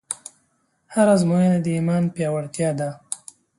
هره ازموینه د ایمان پیاوړتیا ده.